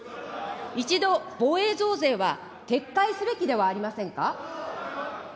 一度、防衛増税は撤回すべきではありませんか。